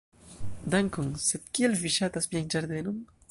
"Dankon. Sed kial vi ŝatas mian ĝardenon?"